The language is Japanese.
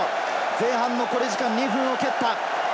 前半残り時間２分を切った。